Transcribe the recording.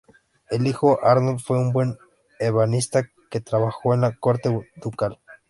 Su hijo Arnold fue un buen ebanista que trabajó en la corte ducal.